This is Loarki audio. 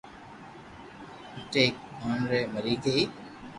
اٽيڪ مئن مري گئي